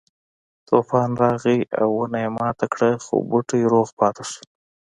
طوفان راغی او ونه یې ماته کړه خو بوټی روغ پاتې شو.